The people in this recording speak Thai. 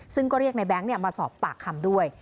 ซึ่งก็เรียกในแบงค์มาสอบปากคำด้วย